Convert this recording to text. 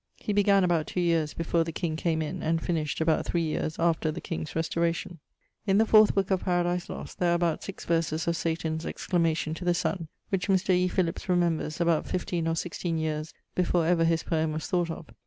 He began about 2 yeares before the king came in, and finished about three yeares after the king's restauracion. In the 4th booke of Paradise Lost there are about six verses of Satan's exclamation to the sun, which Mr. E. Philips remembers about 15 or 16 yeares before ever his poem was thought of.